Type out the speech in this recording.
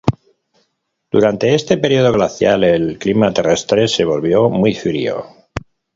Durante este período glacial, el clima terrestre se volvió muy frío.